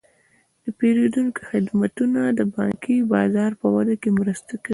د پیرودونکو خدمتونه د بانکي بازار په وده کې مرسته کوي.